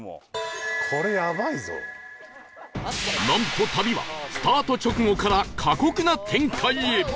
なんと旅はスタート直後から過酷な展開へ